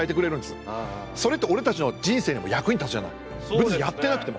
武術やってなくても。